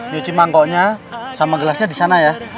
cuci mangkoknya sama gelasnya disana ya